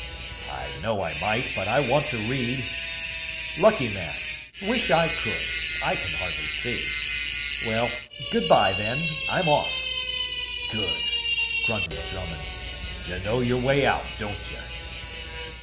"I know I might. But I want to read." "Lucky man. Wish I could. I can hardly see. Well, good bye, then. I'm off." "Good," grunted Drummond. "You know your way out, don't you?"